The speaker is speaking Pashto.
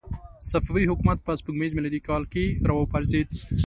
صفوي حکومت په سپوږمیز میلادي کال کې را وپرځېد.